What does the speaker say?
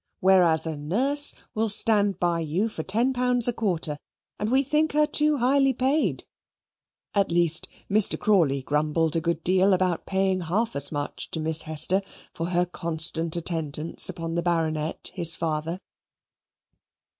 Whereas a nurse will stand by you for ten pounds a quarter, and we think her too highly paid. At least Mr. Crawley grumbled a good deal about paying half as much to Miss Hester for her constant attendance upon the Baronet his father.